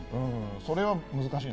それは難しいな。